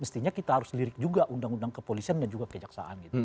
mestinya kita harus lirik juga undang undang kepolisian dan juga kejaksaan gitu